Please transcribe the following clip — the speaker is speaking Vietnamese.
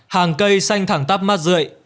hàng cây xanh thẳng tắp mắt rợi